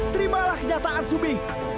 terimalah kenyataan subi